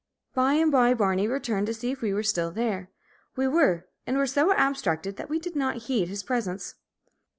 By and by Barney returned to see if we were still there. We were, and were so abstracted that we did not heed his presence.